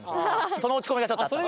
その落ち込みがちょっとあった。